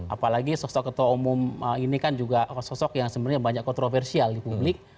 apalagi sosok ketua umum ini kan juga sosok yang sebenarnya banyak kontroversial di publik